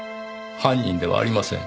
犯人ではありません。